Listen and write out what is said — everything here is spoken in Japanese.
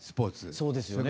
そうですよね